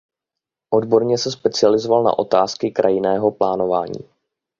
Odborně se specializoval na otázky krajinného plánování.